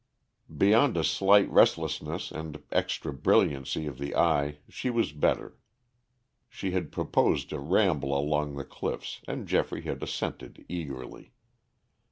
Beyond a slight restlessness and extra brilliancy of the eye she was better. She had proposed a ramble along the cliffs and Geoffrey had assented eagerly.